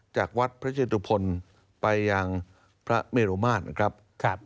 จากวัดพระเจตุพลไปยังพระเมรุมาตรนะครับ